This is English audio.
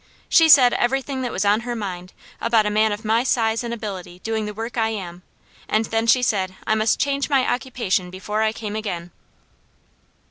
She said everything that was on her mind about a man of my size and ability doing the work I am, and then she said I must change my occupation before I came again."